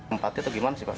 tempatnya itu gimana sih pak